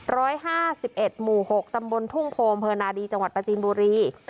ร้อยห้าสิบเอ็ดหมู่หกตำบลทุ่งโคมเภอนาดีจังหวัดประจีนบุรี